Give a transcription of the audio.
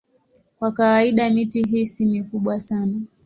Kwa kawaida miti hii si mikubwa sana.